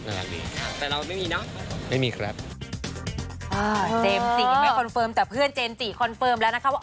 เจมส์จี้ไม่คอนเฟิร์มแต่เพื่อนเจมส์จี้คอนเฟิร์มแล้วนะฮะว่า